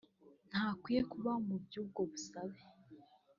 ntakwiye kuba mu by’ubwo busabe